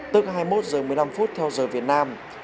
tức hai mươi một h một mươi năm phút theo giờ việt nam